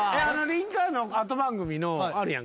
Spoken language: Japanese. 『リンカーン』の後番組のあるやんか。